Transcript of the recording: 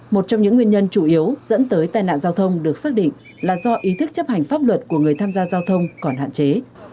một trong những nguyên nhân chủ yếu dẫn tới tai nạn giao thông được xác định là do ý thức chấp hành pháp luật của người tham gia giao thông còn hạn chế